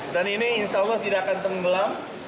dan ini insya allah tidak akan tenggelam